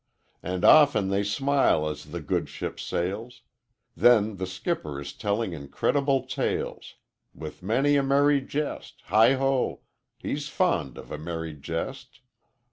'And often they smile as the good ship sails Then the skipper is telling incredible tales With many a merry jest Heigh ho! He's fond of a merry jest.